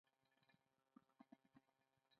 ما وویل هر مازدیګر دلته کېنه زه به درځم